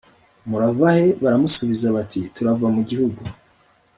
Murava he Baramusubiza bati Turava mu gihugu